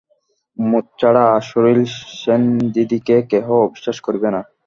উন্মাদ ছাড়া আজ শশীর সেনদিদিকে কেহ অবিশ্বাস করিবে না।